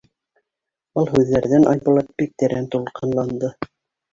Был һүҙҙәрҙән Айбулат бик тәрән тулҡынланды.